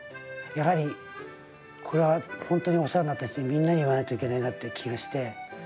やはりこれは本当にお世話になった人にみんなに言わないといけないなという気がして。